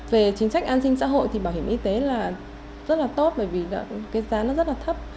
về chính sách an sinh xã hội thì bảo hiểm y tế là rất là tốt bởi vì cái giá nó rất là thấp